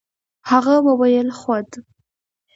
هغه وويل خود.